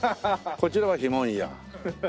こちらは「ひもんや」。